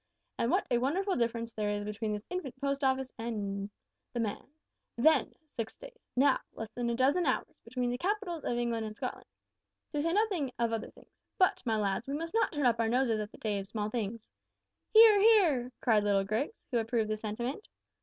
And what a wonderful difference there is between this infant Post Office and the man! Then, six days; now, less than a dozen hours, between the capitals of England and Scotland to say nothing of other things. But, my lads, we must not turn up our noses at the day of small things." "Hear, hear," cried little Grigs, who approved the sentiment.